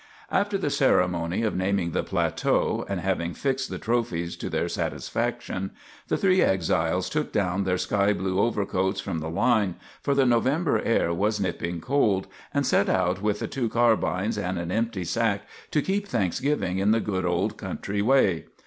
After the ceremony of naming the plateau, and having fixed the trophies to their satisfaction, the three exiles took down their sky blue overcoats from the line, for the November air was nipping cold, and set out with the two carbines and an empty sack to keep Thanksgiving in the good old country way.